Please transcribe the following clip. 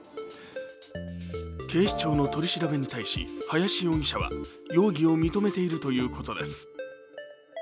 警視庁の取り調べに対し林容疑者は容疑を認めているということです。